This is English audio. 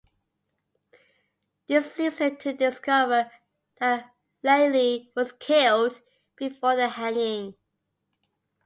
This leads them to discover that Lely was killed before the hanging.